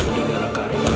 kuih ku tidak akan mengekul